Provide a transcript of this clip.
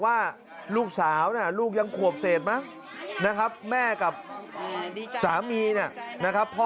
ว่าลูกสาวน่ะลูกยังขวบเศษมั้งนะครับแม่กับสามีนะครับพ่อ